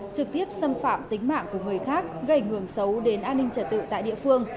trực tiếp xâm phạm tính mạng của người khác gây ngường xấu đến an ninh trả tự tại địa phương